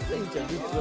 実は。